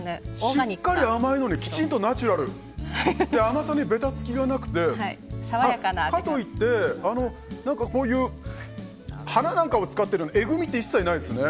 しっかり甘いのにきちんとナチュラルで甘さにべたつきもなくてかといってこういう花なんかを使ってるえぐみが一切ないですね。